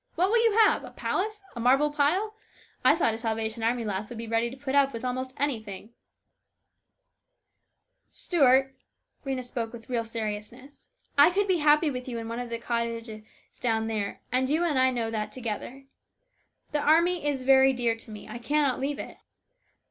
" What will you have ? A palace ? A marble pile ? I thought a Salvation Army lass would be ready to put up with almost anything !"" Stuart," Rhena spoke with real seriousness, " I could be happy with you in one of the cottages down there, and you and I know that together. The army is very dear to me. I cannot leave it."